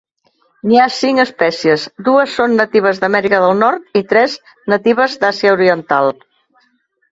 N'hi ha cinc espècies, dues són natives d'Amèrica del Nord i tres natives d'Àsia oriental.